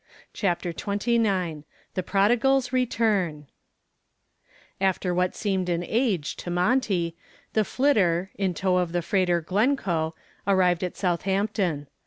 CHAPTER XXIX THE PRODIGAL'S RETURN After what seemed an age to Monty, the "Flitter," in tow of the freighter "Glencoe," arrived at Southampton.